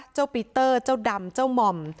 ปีเตอร์เจ้าดำเจ้าหม่อม